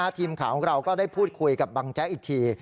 ทีมข่าวของเราก็ได้พูดคุยกับบังแจ๊กอีกที